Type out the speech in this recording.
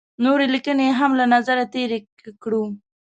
نورې لیکنې یې هم له نظره تېرې کړو.